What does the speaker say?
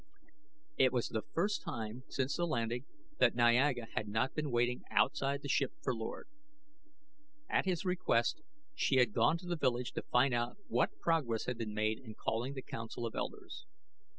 It was the first time since the landing that Niaga had not been waiting outside the ship for Lord. At his request she had gone to the village to find what progress had been made in calling the council of elders.